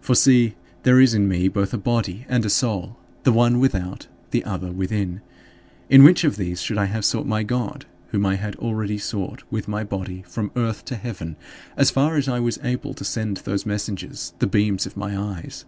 For see, there is in me both a body and a soul; the one without, the other within. In which of these should I have sought my God, whom I had already sought with my body from earth to heaven, as far as I was able to send those messengers the beams of my eyes?